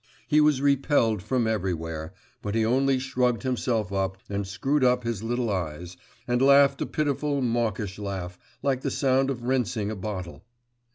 He was repelled from everywhere, but he only shrugged himself up, and screwed up his little eyes, and laughed a pitiful mawkish laugh, like the sound of rinsing a bottle.